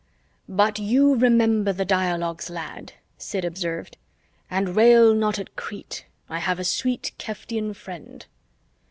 "But you remember the dialogues, lad," Sid observed. "And rail not at Crete I have a sweet Keftian friend."